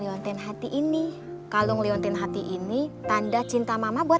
oke terima kasih